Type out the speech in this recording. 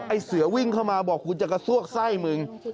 ไอ้เสือวิ่งเข้ามาบอกคุณจะกระซวกไส้มึง